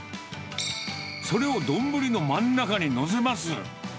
それを丼の真ん中に載せます。